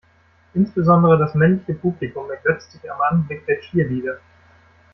Insbesondere das männliche Publikum ergötzt sich am Anblick der Cheerleader.